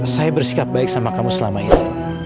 saya bersikap baik sama kamu selama itu